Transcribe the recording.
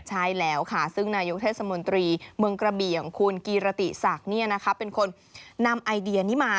ใช่แล้วค่ะซึ่งนายกเทศมนตรีเมืองกระเบี่ยงคุณกีรติศักดิ์เป็นคนนำไอเดียนี้มา